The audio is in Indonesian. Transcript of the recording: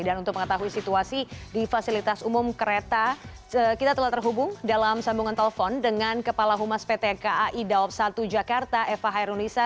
dan untuk mengetahui situasi di fasilitas umum kereta kita telah terhubung dalam sambungan telepon dengan kepala humas pt kai dawab satu jakarta eva hairunisa